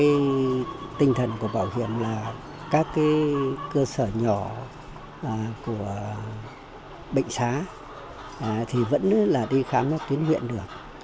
theo tinh thần của bảo hiểm là các cơ sở nhỏ của bệnh xá thì vẫn đi khám tuyến huyện được